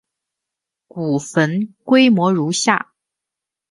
古坟规模如下。